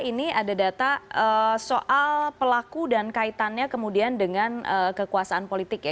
ini ada data soal pelaku dan kaitannya kemudian dengan kekuasaan politik ya